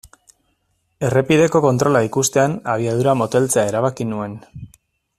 Errepideko kontrola ikustean abiadura moteltzea erabaki nuen.